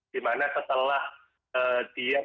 di mana setelah dikonsumsi